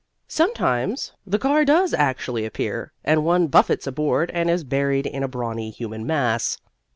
Sometimes the car does actually appear and one buffets aboard and is buried in a brawny human mass.